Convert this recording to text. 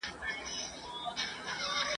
هغه شین سترګی مرشد !.